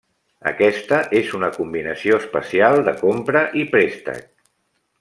Aquesta és una combinació especial de compra i préstec.